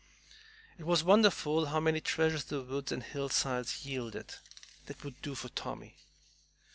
It was wonderful how many treasures the woods and hillsides yielded that "would do for Tommy."